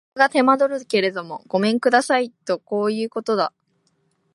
支度が手間取るけれどもごめん下さいとこういうことだ